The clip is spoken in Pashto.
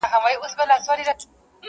خو یو وخت څارنوال پوه په ټول داستان سو.